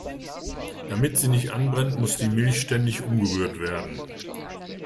Damit sie nicht anbrennt, muss die Milch ständig umgerührt werden.